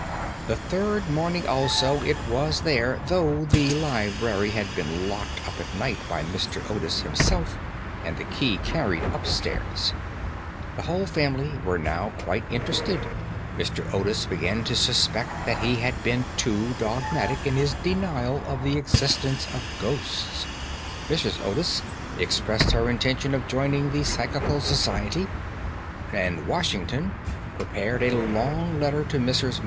The third morning also it was there, though the library had been locked up at night by Mr. Otis himself, and the key carried up stairs. The whole family were now quite interested; Mr. Otis began to suspect that he had been too dogmatic in his denial of the existence of ghosts, Mrs. Otis expressed her intention of joining the Psychical Society, and Washington prepared a long letter to Messrs.